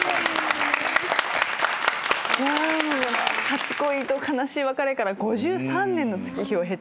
初恋と悲しい別れから５３年の月日を経ての再会。